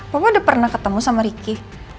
bapak udah pernah ketemu sama ricky